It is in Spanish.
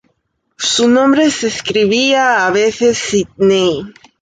Su nombre se escribía a veces Sidney.